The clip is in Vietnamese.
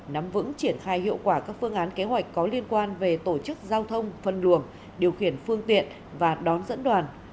nắm vững triển khai hiệu quả các phương án kế hoạch có liên quan về tổ chức giao thông phân luồng điều khiển phương tiện và đón dẫn đoàn